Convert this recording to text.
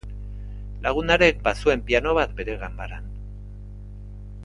Lagun harek bazuen piano bat bere ganbaran.